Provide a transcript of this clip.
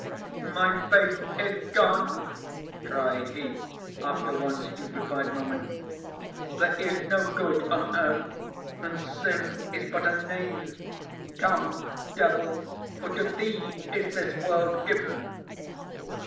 "My Faith is gone!" cried he, after one stupefied moment. "There is no good on earth; and sin is but a name. Come, devil; for to thee is this world given."